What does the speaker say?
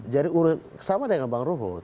jadi sama dengan bang ruhut